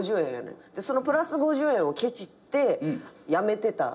そのプラス５０円をケチってやめてた。